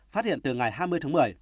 phát hiện từ ngày hai mươi tháng một mươi